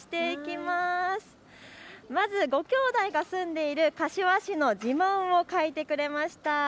まずご兄弟が住んでいる柏市の自慢をかいてくれました。